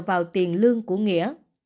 nghĩa đã tự tìm kiếm tiền lương của nghĩa